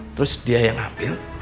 terus dia yang ambil